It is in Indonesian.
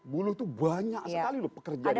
buruh itu banyak sekali loh pekerja di indonesia